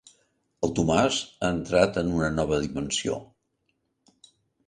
El Tomàs ha entrat en una nova dimensió.